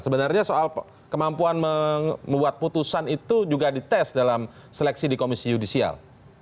sebenarnya soal kemampuan membuat putusan itu juga dites dalam seleksi di komisi yudisial